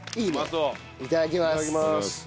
いただきます。